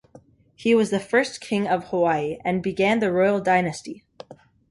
He was the first King of Hawaii, and began the royal dynasty.